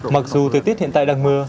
mặc dù thời tiết hiện tại đang mưa